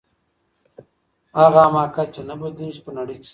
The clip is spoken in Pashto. هغه حماقت چي نه بدلیږي په نړۍ کي سته.